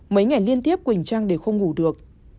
mấy ngày liên tiếp quỳnh trang để không ngủ được